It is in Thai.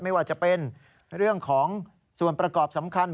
ไม่ว่าจะเป็นเรื่องของส่วนประกอบสำคัญ